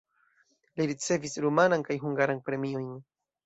Li ricevis rumanan kaj hungaran premiojn.